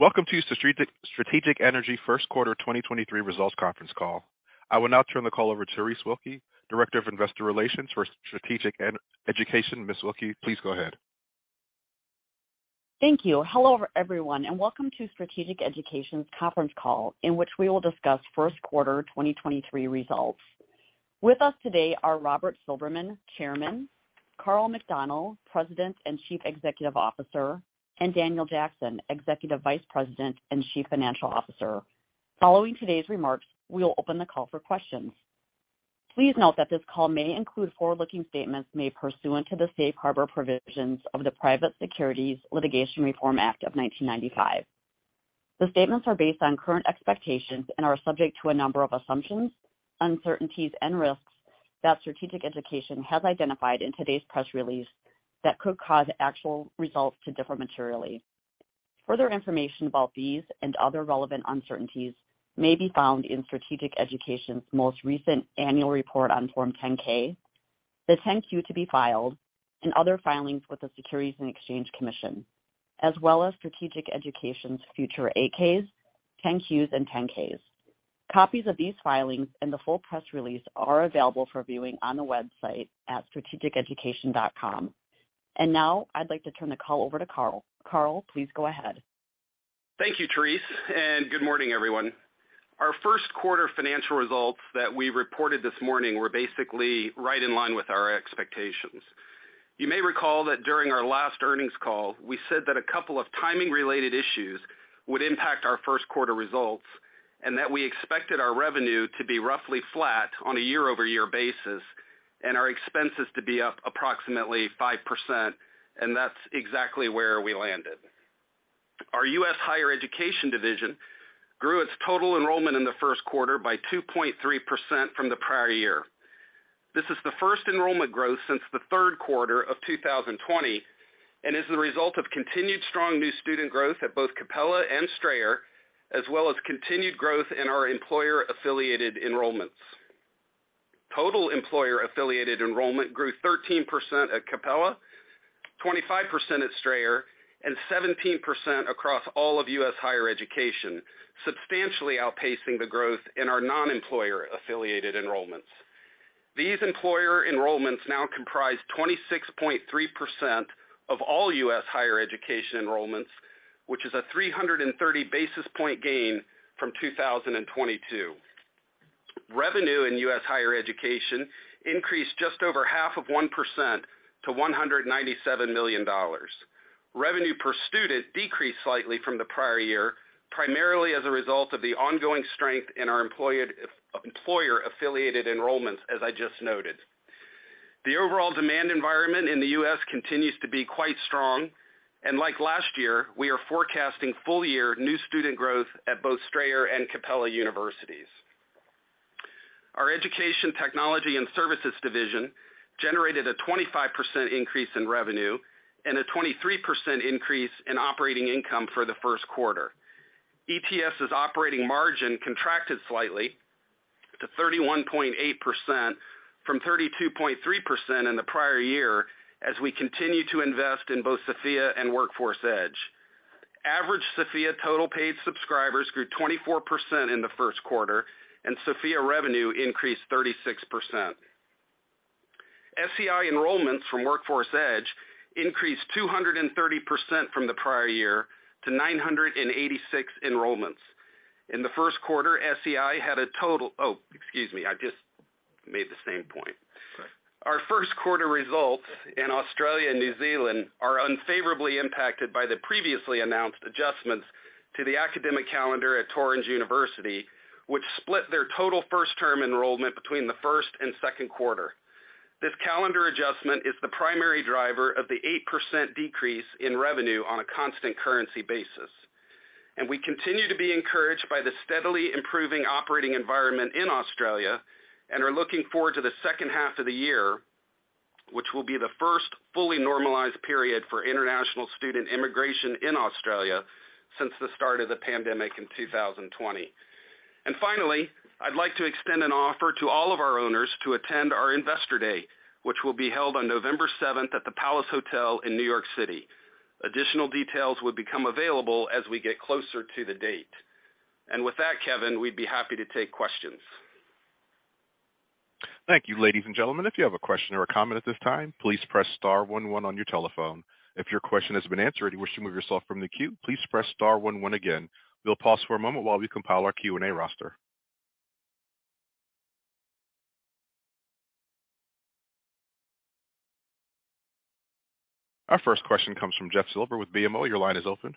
Welcome to Strategic Education Q1 2023 Results Conference Call. I will now turn the call over to Therese Wilkie, Director of Investor Relations for Strategic Education. Ms. Wilkie, please go ahead. Thank you. Hello, everyone, and welcome to Strategic Education's conference call, in which we will discuss Q1 2023 results. With us today are Robert Silberman, Chairman, Karl McDonnell, President and Chief Executive Officer, and Daniel Jackson, Executive Vice President and Chief Financial Officer. Following today's remarks, we will open the call for questions. Please note that this call may include forward-looking statements made pursuant to the Safe Harbor Provisions of the Private Securities Litigation Reform Act of 1995. The statements are based on current expectations and are subject to a number of assumptions, uncertainties, and risks that Strategic Education has identified in today's press release that could cause actual results to differ materially. Further information about these and other relevant uncertainties may be found in Strategic Education's most recent annual report on Form 10-K, the 10-Q to be filed, and other filings with the Securities and Exchange Commission, as well as Strategic Education's future 8-Ks, 10-Qs, and 10-Ks. Copies of these filings and the full press release are available for viewing on the website at strategiceducation.com. Now I'd like to turn the call over to Karl. Karl, please go ahead. Thank you, Terese, and good morning, everyone. Our Q1 financial results that we reported this morning were basically right in line with our expectations. You may recall that during our last earnings call, we said that a couple of timing-related issues would impact our Q1 results and that we expected our revenue to be roughly flat on a year-over-year basis and our expenses to be up approximately 5%, and that's exactly where we landed. Our US Higher Education division grew its total enrollment in the Q1 by 2.3% from the prior year. This is the first enrollment growth since the Q3 of 2020 and is the result of continued strong new student growth at both Capella and Strayer, as well as continued growth in our employer-affiliated enrollments. Total employer-affiliated enrollment grew 13% at Capella, 25% at Strayer, and 17% across all of US Higher Education, substantially outpacing the growth in our non-employer-affiliated enrollments. These employer enrollments now comprise 26.3% of all US Higher Education enrollments, which is a 330 basis point gain from 2022. Revenue in US Higher Education increased just over half of 1% to $197 million. Revenue per student decreased slightly from the prior year, primarily as a result of the ongoing strength in our employer-affiliated enrollments, as I just noted. The overall demand environment in the US continues to be quite strong, and like last year, we are forecasting full-year new student growth at both Strayer and Capella Universities. Our Education Technology and Services division generated a 25% increase in revenue and a 23% increase in operating income for the Q1. ETS's operating margin contracted slightly to 31.8% from 32.3% in the prior year as we continue to invest in both Sophia and Workforce Edge. Average Sophia total paid subscribers grew 24% in the Q1, and Sophia revenue increased 36%. SEI enrollments from Workforce Edge increased 230% from the prior year to 986 enrollments. In the Q1, SEI had a total... Oh, excuse me. I just made the same point. It's okay. Our Q1 results in Australia and New Zealand are unfavorably impacted by the previously announced adjustments to the academic calendar at Torrens University, which split their total first-term enrollment between Q1 and Q2. This calendar adjustment is the primary driver of the 8% decrease in revenue on a constant currency basis. We continue to be encouraged by the steadily improving operating environment in Australia and are looking forward to the second half of the year, which will be the first fully normalized period for international student immigration in Australia since the start of the pandemic in 2020. Finally, I'd like to extend an offer to all of our owners to attend our Investor Day, which will be held on November 7th at the Palace Hotel in New York City. Additional details will become available as we get closer to the date. With that, Kevin, we'd be happy to take questions. Thank you. Ladies and gentlemen, if you have a question or a comment at this time, please press star one one on your telephone. If your question has been answered and you wish to remove yourself from the queue, please press star one one again. We'll pause for a moment while we compile our Q&A roster. Our first question comes from Jeff Silber with BMO. Your line is open.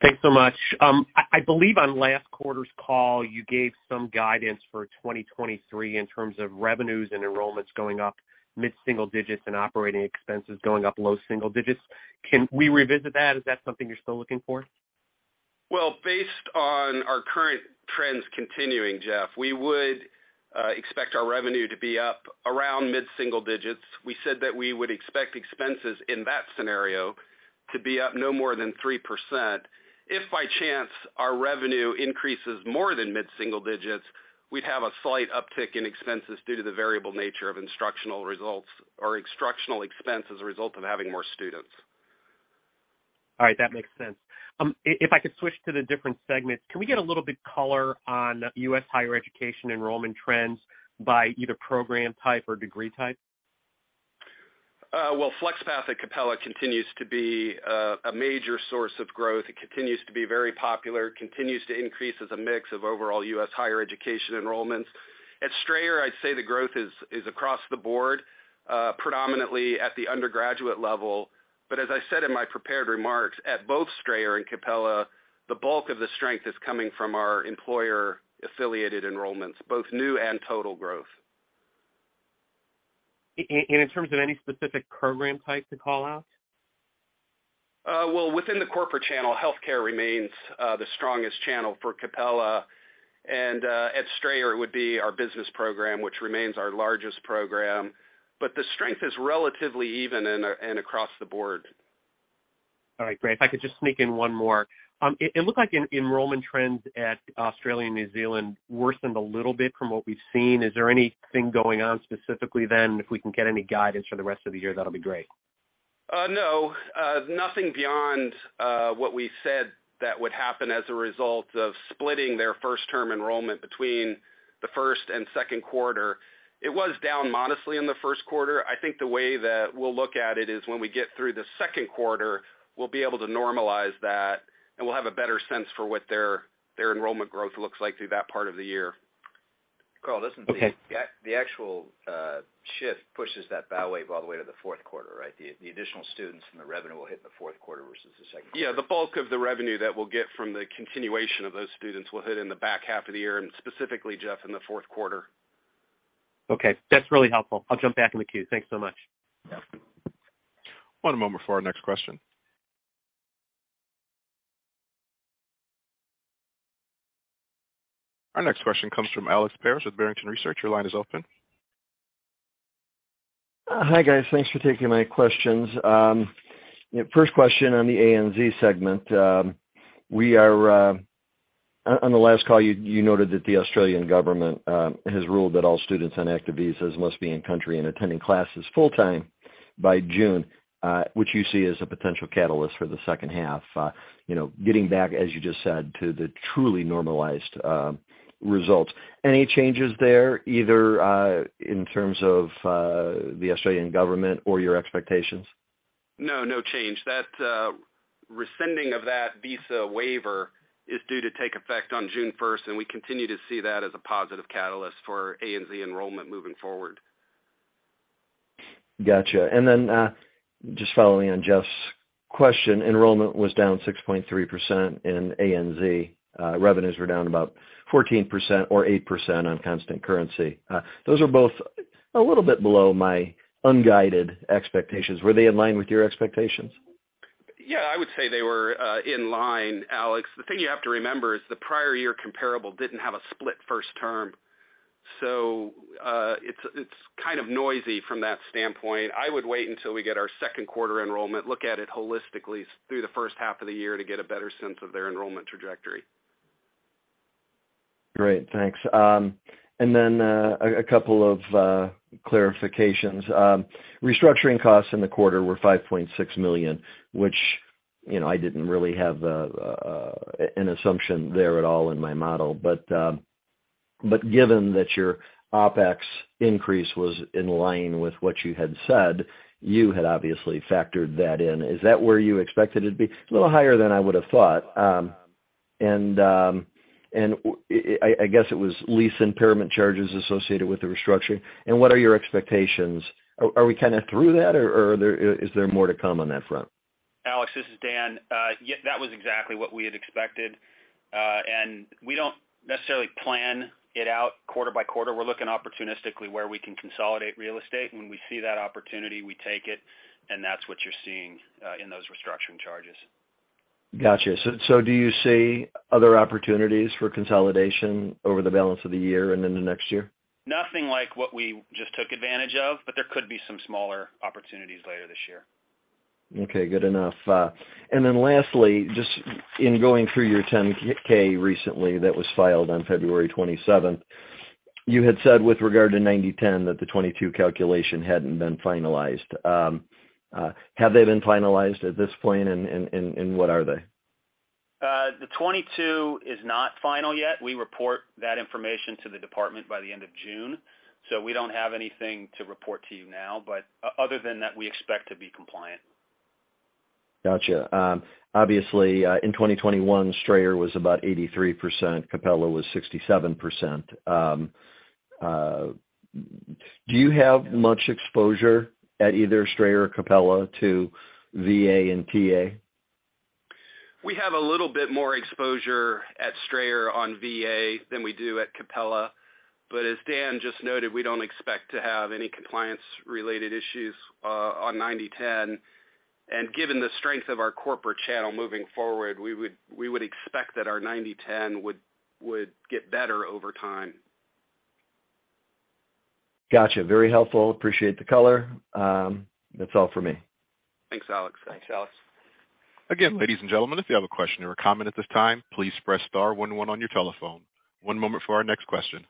Thanks so much. I believe on last quarter's call you gave some guidance for 2023 in terms of revenues and enrollments going up mid-single digits and operating expenses going up low single digits. Can we revisit that? Is that something you're still looking for? Based on our current trends continuing, Jeff, we would expect our revenue to be up around mid-single digits. We said that we would expect expenses in that scenario to be up no more than 3%. If by chance our revenue increases more than mid-single digits, we'd have a slight uptick in expenses due to the variable nature of instructional results or instructional expense as a result of having more students. That makes sense. If I could switch to the different segments, can we get a little bit color on US Higher Education enrollment trends by either program type or degree type? Well, FlexPath at Capella continues to be a major source of growth. It continues to be very popular, continues to increase as a mix of overall US higher education enrollments. At Strayer, I'd say the growth is across the board, predominantly at the undergraduate level. As I said in my prepared remarks, at both Strayer and Capella, the bulk of the strength is coming from our employer-affiliated enrollments, both new and total growth. In terms of any specific program type to call out? Well, within the corporate channel, healthcare remains the strongest channel for Capella. At Strayer, it would be our business program, which remains our largest program. The strength is relatively even and across the board. All right, great. If I could just sneak in one more. It looked like enrollment trends at Australia and New Zealand worsened a little bit from what we've seen. Is there anything going on specifically then? If we can get any guidance for the rest of the year, that'll be great. No. Nothing beyond what we said that would happen as a result of splitting their first term enrollment between the first and Q2. It was down modestly in the Q1. I think the way that we'll look at it is when we get through the Q2, we'll be able to normalize that, and we'll have a better sense for what their enrollment growth looks like through that part of the year. Karl, listen. Okay. The actual shift pushes that bolus all the way to the Q4, right? The additional students and the revenue will hit in the Q4 versus the Q2. Yeah, the bulk of the revenue that we'll get from the continuation of those students will hit in the back half of the year and specifically, Jeff, in the Q4. Okay, that's really helpful. I'll jump back in the queue. Thanks so much. Yeah. One moment for our next question. Our next question comes from Alex Paris with Barrington Research. Your line is open. Hi, guys. Thanks for taking my questions. First question on the ANZ segment. On the last call, you noted that the Australian government has ruled that all students on active visas must be in country and attending classes full-time by June, which you see as a potential catalyst for the second half, you know, getting back, as you just said, to the truly normalized results. Any changes there, either in terms of the Australian government or your expectations? No, no change. That rescinding of that visa waiver is due to take effect on June first, and we continue to see that as a positive catalyst for ANZ enrollment moving forward. Gotcha. Just following on Jeff's question, enrollment was down 6.3% in ANZ. Revenues were down about 14% or 8% on constant currency. Those are both a little bit below my unguided expectations. Were they in line with your expectations? Yeah, I would say they were in line, Alex. The thing you have to remember is the prior year comparable didn't have a split first term. It's kind of noisy from that standpoint. I would wait until we get our Q2 enrollment, look at it holistically through the first half of the year to get a better sense of their enrollment trajectory. Great. Thanks. A couple of clarifications. Restructuring costs in the quarter were $5.6 million, which, you know, I didn't really have an assumption there at all in my model. Given that your OpEx increase was in line with what you had said, you had obviously factored that in. Is that where you expected it to be? A little higher than I would have thought. I guess it was lease impairment charges associated with the restructuring. What are your expectations? Are we kinda through that or is there more to come on that front? Alex, this is Dan. Yeah, that was exactly what we had expected. We don't necessarily plan it out quarter by quarter. We're looking opportunistically where we can consolidate real estate. When we see that opportunity, we take it, and that's what you're seeing in those restructuring charges. Gotcha. Do you see other opportunities for consolidation over the balance of the year and in the next year? Nothing like what we just took advantage of, but there could be some smaller opportunities later this year. Okay, good enough. Lastly, just in going through your 10-K recently that was filed on February 27th, you had said with regard to 90/10 that the 2022 calculation hadn't been finalized. Have they been finalized at this point and what are they? The 22 is not final yet. We report that information to the department by the end of June, so we don't have anything to report to you now, but other than that, we expect to be compliant. Gotcha. Obviously, in 2021, Strayer was about 83%, Capella was 67%. Do you have much exposure at either Strayer or Capella to VA and TA? We have a little bit more exposure at Strayer on VA than we do at Capella. As Dan just noted, we don't expect to have any compliance-related issues on 90/10. Given the strength of our corporate channel moving forward, we would expect that our 90/10 would get better over time. Gotcha. Very helpful. Appreciate the color. That's all for me. Thanks, Alex. Thanks, Alex. Ladies and gentlemen, if you have a question or a comment at this time, please press star one one on your telephone. One moment for our next question.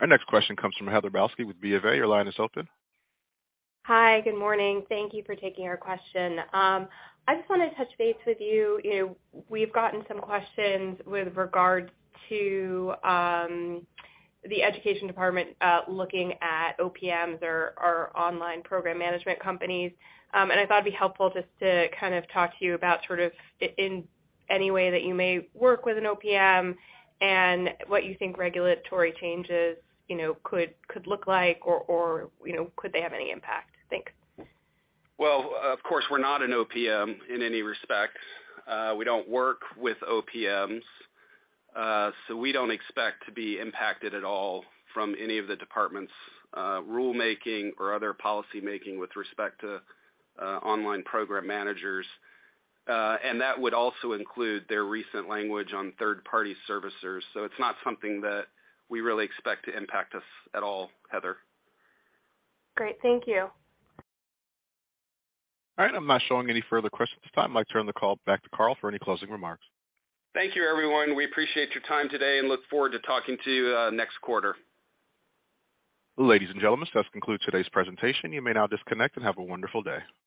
Our next question comes from Heather Balsky with BofA. Your line is open. Hi, good morning. Thank you for taking our question. I just wanna touch base with you. You know, we've gotten some questions with regards to the education department looking at OPMs or online program management companies. I thought it'd be helpful just to kind of talk to you about sort of any way that you may work with an OPM and what you think regulatory changes, you know, could look like or, you know, could they have any impact? Thanks. Well, of course, we're not an OPM in any respect. We don't work with OPMs. We don't expect to be impacted at all from any of the department's rulemaking or other policy making with respect to Online Program Managers. That would also include their recent language on third-party servicers. It's not something that we really expect to impact us at all, Heather. Great. Thank you. All right. I'm not showing any further questions at this time. I'd like to turn the call back to Karl for any closing remarks. Thank you, everyone. We appreciate your time today and look forward to talking to you next quarter. Ladies and gentlemen, this concludes today's presentation. You may now disconnect and have a wonderful day.